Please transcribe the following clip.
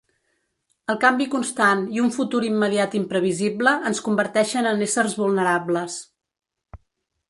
El canvi constant i un futur immediat imprevisible ens converteixen en éssers vulnerables.